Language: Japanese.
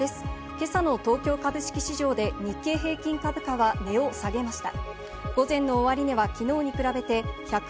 今朝の東京株式市場で日経平均株価は値を下げました。